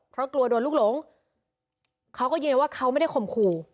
เพราะกลัวโดนลูกหลงเขาก็ยืนว่าเขาไม่ได้ข่มขู่